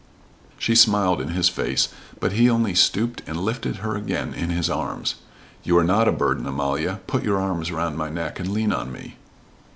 She smiled in his face, but he only stooped and lifted her again in his arms. "You are not a burden, Amalia. Put your arms around my neck, and lean on me."